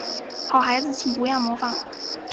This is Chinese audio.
好孩子请不要模仿